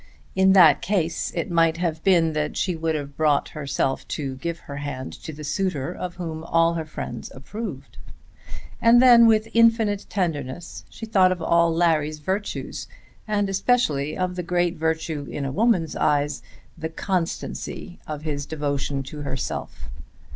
In that case it might have been that she would have brought herself to give her hand to the suitor of whom all her friends approved. And then with infinite tenderness she thought of all Larry's virtues, and especially of that great virtue in a woman's eyes, the constancy of his devotion to herself.